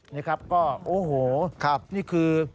นี่ครับก็โอ้โหนี่คือ